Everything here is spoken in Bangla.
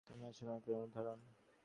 তুমি আসলেই অনুপ্রেরণার উদাহরণ।